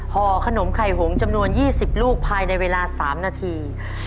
ห่อขนมไข่หงจำนวน๒๐ลูกภายในเวลา๓นาที